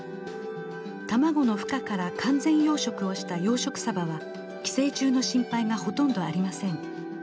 卵のふ化から完全養殖をした養殖サバは寄生虫の心配がほとんどありません。